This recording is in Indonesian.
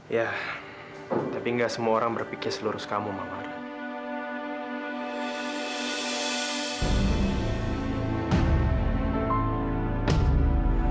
iya tapi gak semua orang berpikir seluruh kamu mak marn